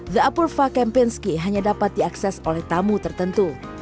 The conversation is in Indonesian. the apurva kempinski hanya dapat diakses oleh tamu tertentu